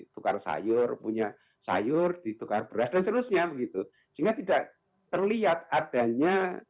tukar sayur punya sayur ditukar beras dan seterusnya begitu sehingga tidak terlihat adanya